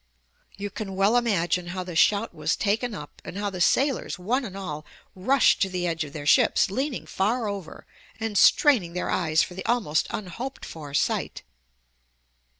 You can well imagine how the shout was taken up, and how the sailors, one and all, rushed to the edge of their ships, leaning far over and straining their eyes for the almost unhoped for sight.